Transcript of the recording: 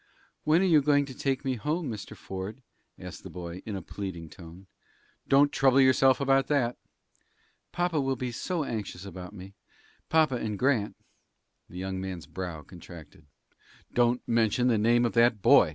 "When are you going to take me home, Mr. Ford?" asked the boy, in a pleading tone. "Don't trouble yourself about that." "Papa will be so anxious about me papa and Grant!" The young man's brow contracted. "Don't mention the name of that boy!